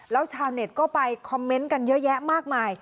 แล้วชาวเน็ตก็ไปคอมเมนต์กันเยอะแยะมากมาย